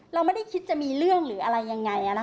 เราไม่ได้คิดจะมีเรื่องหรืออะไรยังไง